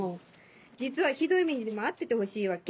実はひどい目にでも遭っててほしいわけ？